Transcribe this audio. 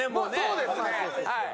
そうですねはい。